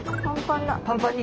パンパンだ。